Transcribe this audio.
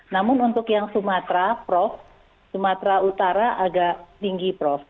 namun untuk yang sumatera prof sumatera utara agak tinggi prof